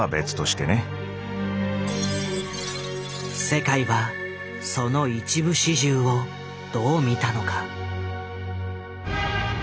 世界はその一部始終をどう見たのか。